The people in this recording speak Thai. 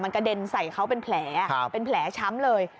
มันกระเด็นใส่เขาเป็นแผลเป็นแผลช้ำเลย